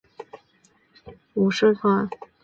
武川众是甲斐国边境的武士团。